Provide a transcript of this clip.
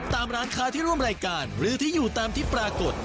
ตามร้านค้าที่ร่วมรายการหรือที่อยู่ตามที่ปรากฏ